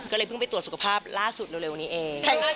ก็เลยเพิ่งไปตรวจสุขภาพล่าสุดเร็วนี้เอง